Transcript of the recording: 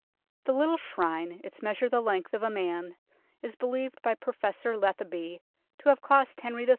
The little Shrine, its measure the length of a man, is believed by Professor Lethaby to have cost Henry III.